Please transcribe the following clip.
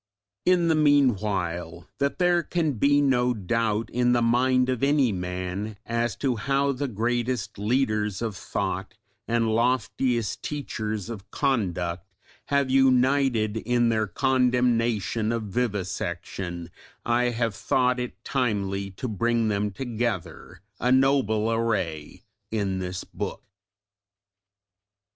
In the meanwhile that there can be no doubt in the mind of any man as to how the greatest leaders of thought and loftiest teachers of conduct have united in their condemnation of vivisection, I have thought it timely to bring them together, a noble array, in this book.